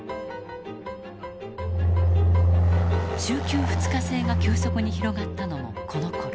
週休２日制が急速に広がったのもこのころ。